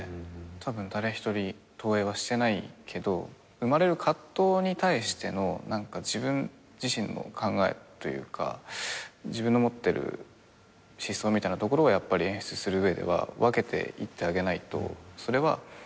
たぶん誰一人投影はしてないけど生まれる葛藤に対しての自分自身の考えというか自分の持ってる思想みたいなところはやっぱり演出する上では分けていってあげないとそれは演出できないから。